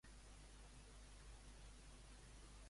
Trump ha cedit davant l'acord amb l'Iran.